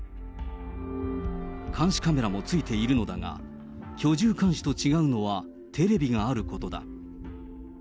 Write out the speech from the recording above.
監視カメラもついているのだが、居住監視と違うのはテレビがあることだ。